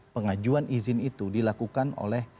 pengajuan izin itu dilakukan oleh